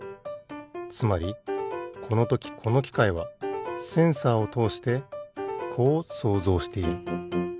つまりこのときこのきかいはセンサーをとおしてこう想像している。